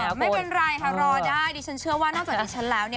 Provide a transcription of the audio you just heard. ไม่เป็นไรค่ะรอได้ดิฉันเชื่อว่านอกจากดิฉันแล้ว